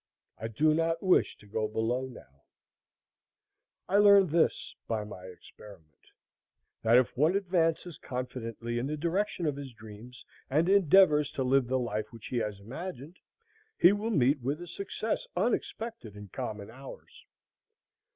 I do not wish to go below now. I learned this, at least, by my experiment; that if one advances confidently in the direction of his dreams, and endeavors to live the life which he has imagined, he will meet with a success unexpected in common hours.